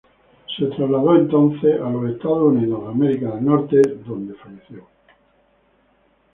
Se trasladó entonces a Estados Unidos, donde falleció.